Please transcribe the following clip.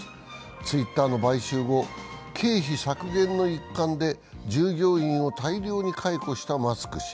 Ｔｗｉｔｔｅｒの買収後、経費削減の一環で従業員を大量に解雇したマスク氏。